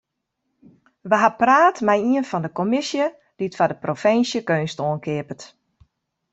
We ha praat mei ien fan de kommisje dy't foar de provinsje keunst oankeapet.